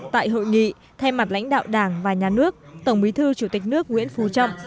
tại hội nghị thay mặt lãnh đạo đảng và nhà nước tổng bí thư chủ tịch nước nguyễn phú trọng